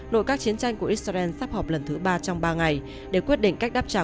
nội các chiến tranh của israel sắp họp lần thứ ba trong ba ngày để quyết định cách đáp trả